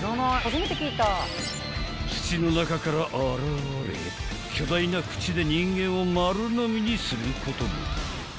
［土の中から現れ巨大な口で人間を丸のみにすることも］